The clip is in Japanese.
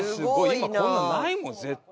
今こんなのないもん絶対。